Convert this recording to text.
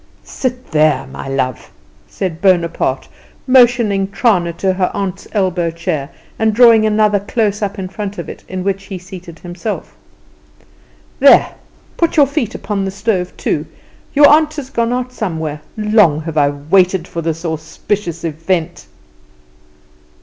"Sit there, my love," said Bonaparte, motioning Trana into her aunt's elbow chair, and drawing another close up in front of it, in which he seated himself. "There, put your feet upon the stove too. Your aunt has gone out somewhere. Long have I waited for this auspicious event!"